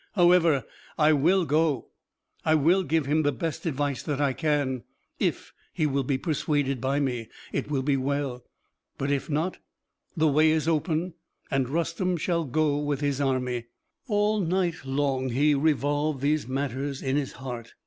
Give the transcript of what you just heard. However, I will go; I will give him the best advice that I can. If he will be persuaded by me, it will be well; but if not, the way is open, and Rustem shall go with his army." All night long he revolved these matters in his heart.